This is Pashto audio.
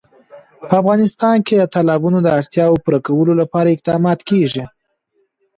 په افغانستان کې د تالابونه د اړتیاوو پوره کولو لپاره اقدامات کېږي.